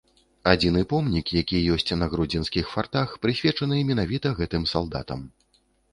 Адзіны помнік, які ёсць на гродзенскіх фартах, прысвечаны менавіта гэтым салдатам.